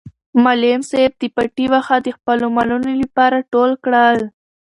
معلم صاحب د پټي واښه د خپلو مالونو لپاره ټول کړل.